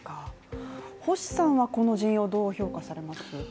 星さんはこの陣容どう評価されます？